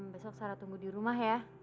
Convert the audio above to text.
besok sarah tunggu di rumah ya